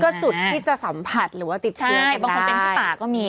ก็จุดที่จะสัมผัสหรือว่าติดเชือกันได้